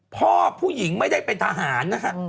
พ่อผู้หญิงไม่ได้เป็นทหารนะฮะ